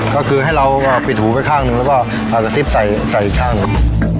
ก็คือให้เราปิดหูไว้ข้างหนึ่งแล้วก็กระซิบใส่อีกข้างหนึ่ง